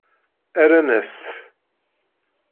Rran-as-t.